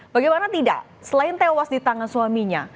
bagaimana tidak selain tewas di tangan suaminya